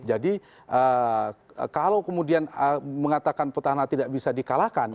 jadi kalau kemudian mengatakan pet tahanan tidak bisa dikalahkan